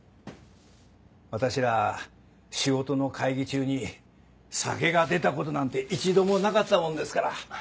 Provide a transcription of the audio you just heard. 私ら仕事の会議中に酒が出たことなんて一度もなかったもんですから。